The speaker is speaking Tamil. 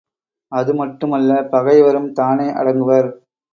அதுமட்டுமல்ல பகைவரும் தானே அடங்குவர்.